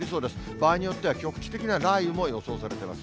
場合によっては、局地的な雷雨も予想されています。